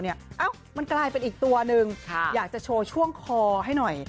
เอ้ามันกลายเป็นอีกตัวหนึ่งอยากจะโชว์ช่วงคอให้หน่อย